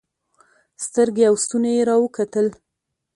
سترګې او ستونى يې راوکتل.